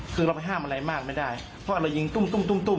คือเราไปห้ามอะไรมากไม่ได้เพราะเรายิงตุ้มตุ้มตุ้ม